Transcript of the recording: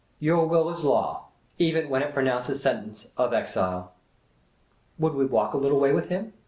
" Your will is law — even when it pronounces sentence of exile." Would we walk a little way with him